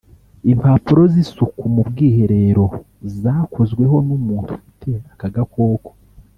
impapuro z’isuku mu bwiherero zakozweho n’umuntu ufite aka gakoko